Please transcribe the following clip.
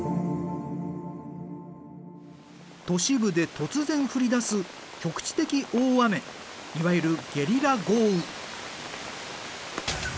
都市部で突然降りだす局地的大雨いわゆるゲリラ豪雨。